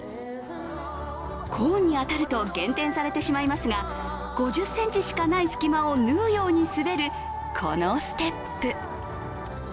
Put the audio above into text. コーンに当たると減点されてしまいますが５０ｃｍしかない隙間を縫うように滑るこのステップ。